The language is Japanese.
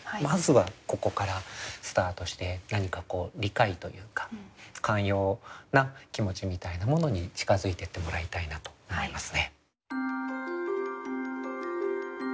まずはここからスタートして何かこう理解というか寛容な気持ちみたいなものに近づいていってもらいたいなと思いますね。